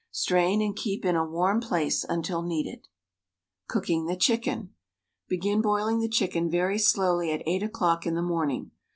Strain and keep in a warm place until needed. Cooking the chicken: Begin boiling the chicken very slowly at eight o'clock in the morning.